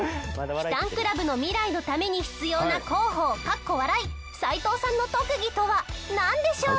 キタンクラブの未来のために必要な広報斎藤さんの特技とはなんでしょう？